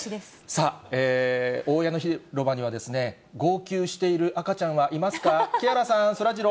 さあ、大屋根広場には、号泣している赤ちゃんはいますか？